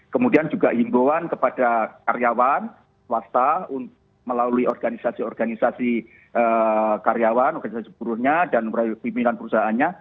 kemudian juga imbauan kepada karyawan swasta melalui organisasi organisasi karyawan organisasi buruhnya dan pimpinan perusahaannya